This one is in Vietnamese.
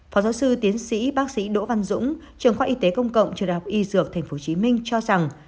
phó giáo sư tiến sĩ bác sĩ đỗ văn dũng trường khoa y tế công cộng trường đại học y dược tp hcm cho rằng